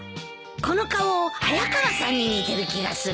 この顔早川さんに似てる気がする。